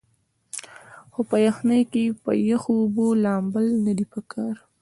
خو پۀ يخنۍ کښې پۀ يخو اوبو لامبل نۀ دي پکار